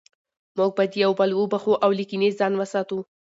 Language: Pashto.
موږ باید یو بل وبخښو او له کینې ځان وساتو